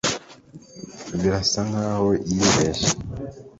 birasa nkaho yibeshye